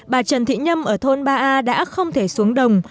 bà trần thị nhâm ở thôn ba a đã không thể xuống đồng